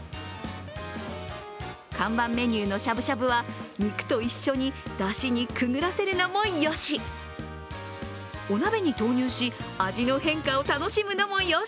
看板メニューのしゃぶしゃぶは肉と一緒にだしにくぐらせるのもよし、お鍋に投入し、味の変化を楽しむのもよし。